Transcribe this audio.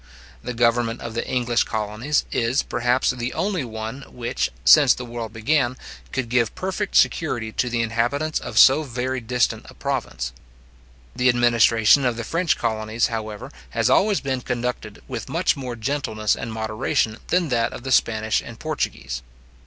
The government of the English colonies is, perhaps, the only one which, since the world began, could give perfect security to the inhabitants of so very distant a province. The administration of the French colonies, however, has always been conducted with much more gentleness and moderation than that of the Spanish and Portuguese.